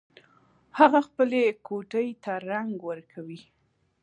هغه خپلې کوټۍ ته رنګ ورکوي